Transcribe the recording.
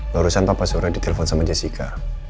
barusan papa surya ditelepon sama jessica